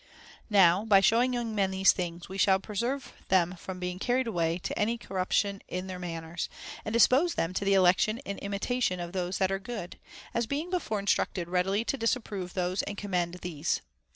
Now, by showing young men these things, we shall pre serve them from being carried away to any corruption in their manners, and dispose them to the election and imita tion of those that are good, as being before instructed readily to disapprove those and commend these.